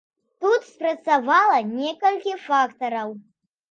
Тут спрацавала некалькі фактараў.